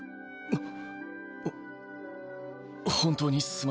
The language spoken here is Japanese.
あっ。